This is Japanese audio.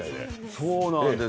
そうなんです。